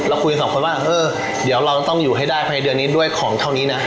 คุยกันสองคนว่าเออเดี๋ยวเราต้องอยู่ให้ได้ภายในเดือนนี้ด้วยของเท่านี้นะ